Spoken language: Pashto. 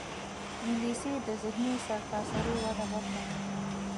انګلیسي د ذهني سرتاسري وده برخه ده